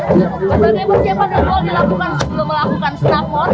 sebagai persiapan yang telah dilakukan sebelum melakukan snapmore